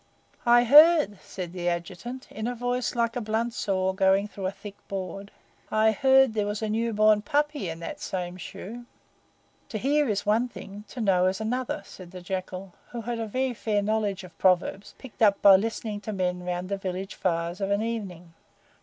"I heard," said the Adjutant, in a voice like a blunt saw going through a thick board "I HEARD there was a new born puppy in that same shoe." "To hear is one thing; to know is another," said the Jackal, who had a very fair knowledge of proverbs, picked up by listening to men round the village fires of an evening.